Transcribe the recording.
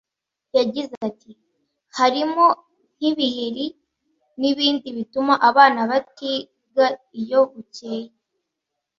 yagize ati “Harimo nk’ibiheri n’ibindi bituma abana batiga iyo bukeye”